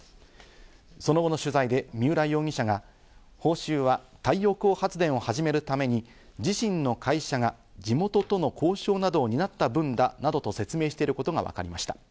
その後の取材で三浦容疑者が、報酬は太陽光発電を始めるために自身の会社が地元との交渉などを担った分だなどと説明していることがわかりました。